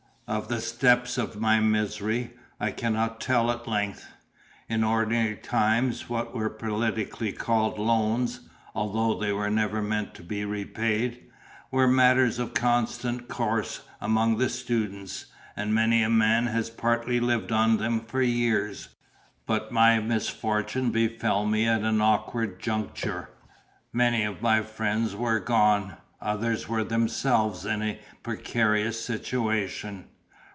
Of the steps of my misery, I cannot tell at length. In ordinary times what were politically called "loans" (although they were never meant to be repaid) were matters of constant course among the students, and many a man has partly lived on them for years. But my misfortune befell me at an awkward juncture. Many of my friends were gone; others were themselves in a precarious situation.